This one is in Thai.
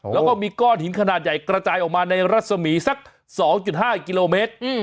แล้วก็มีก้อนหินขนาดใหญ่กระจายออกมาในรัศมีสัก๒๕กิโลเมตร